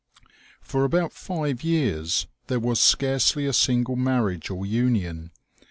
For about five years there was scarcely a single marriage or union.